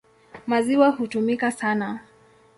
Maziwa hutumika sana.